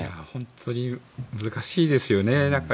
本当に難しいですよね。